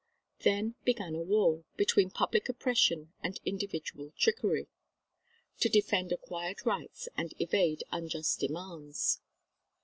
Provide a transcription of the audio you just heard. Then began a war, between public oppression and individual trickery, to defend acquired rights and evade unjust demands.